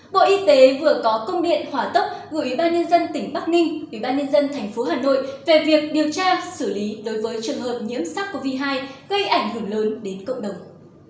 bộ y tế vừa có công điện hỏa tốc gửi ủy ban nhân dân tỉnh bắc ninh ủy ban nhân dân tp hà nội về việc điều tra xử lý đối với trường hợp nhiễm sars cov hai gây ảnh hưởng lớn đến cộng đồng